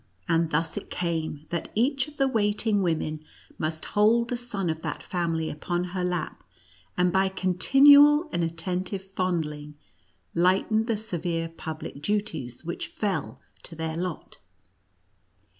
And thus it came that each of the waiting women must hold a son of that family upon her lap, and by continual and attentive fondling, lighten the severe public du ties which fell to their lot.